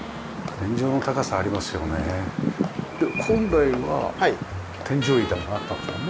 で本来は天井板があったんですもんね？